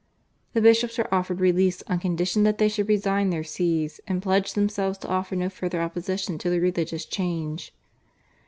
The bishops were offered release on condition that they should resign their Sees and pledge themselves to offer no further opposition to the religious change.